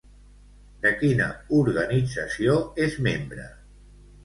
De quina organització és membre?